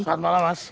selamat malam mas